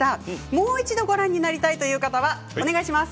もう一度見直したいという方はお願いします。